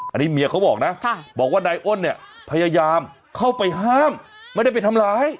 อันนี้เมียเขาบอกนะบอกว่านายอ้นเนี่ยพยายามเข้าไปห้ามไม่ได้ไปทำร้าย